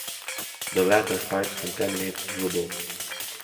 The latter hides contaminated rubble.